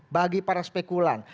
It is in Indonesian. bagi para spekulan